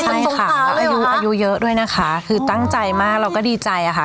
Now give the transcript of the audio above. ใช่ค่ะแล้วอายุเยอะด้วยนะคะคือตั้งใจมากเราก็ดีใจค่ะ